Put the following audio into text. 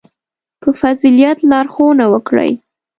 • په فضیلت لارښوونه وکړئ.